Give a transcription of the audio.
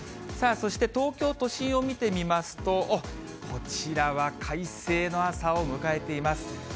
そして東京都心を見てみますと、おっ、こちらは快晴の朝を迎えています。